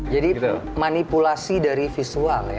jadi manipulasi dari visual ya